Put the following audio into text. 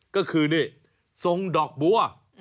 ก็คือนี่ทรงดอกบัว